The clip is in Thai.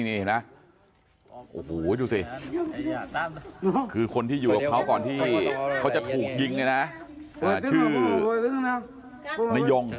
นี่เห็นไหมโอ้โหดูสิคือคนที่อยู่กับเขาก่อนที่เขาจะถูกยิงเนี่ยนะชื่อนายง